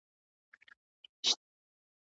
سرعت کم کړئ.